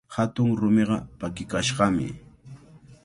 Hatun rumiqa pakikashqami.